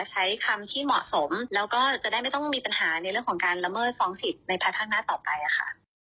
ใช้คำที่เหมาะสมแล้วก็จะได้ไม่ต้องมีปัญหาในเรื่องของการละเมิดฟ้องสิทธิ์ในพระข้างหน้าต่อไปค่ะ